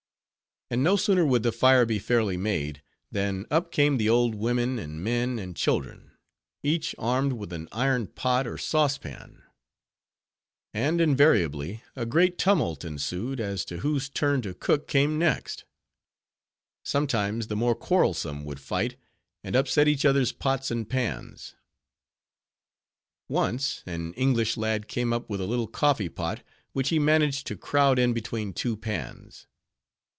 And no sooner would the fire be fairly made, than up came the old women, and men, and children; each armed with an iron pot or saucepan; and invariably a great tumult ensued, as to whose turn to cook came next; sometimes the more quarrelsome would fight, and upset each other's pots and pans. Once, an English lad came up with a little coffee pot, which he managed to crowd in between two pans.